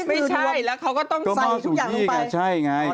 ไม่ใช่แล้วก็เขาต้องใส่ทุกอย่างลงไป